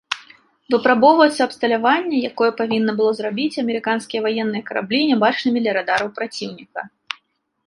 Выпрабоўваецца абсталяванне, якое павінна было зрабіць амерыканскія ваенныя караблі нябачнымі для радараў праціўніка.